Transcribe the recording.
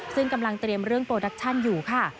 ซึ่งกำลังเตรียมเรื่องโปรดักชั่นอยู่ค่ะ